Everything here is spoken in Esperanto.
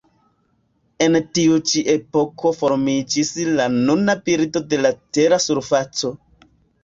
En tiu ĉi epoko formiĝis la nuna bildo de la Tera surfaco.